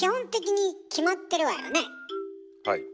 はい。